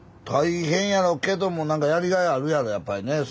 大変やろうけどもなんかやりがいあるやろやっぱりね。